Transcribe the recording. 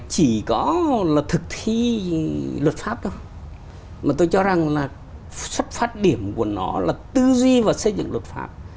chỉ có là thực thi luật pháp đâu mà tôi cho rằng là xuất phát điểm của nó là tư duy và xây dựng luật pháp